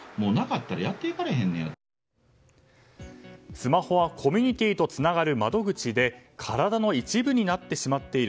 スマホはコミュニティーとつながる窓口で体の一部になってしまっている。